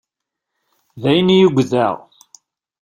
D ayen i ugdeɣ.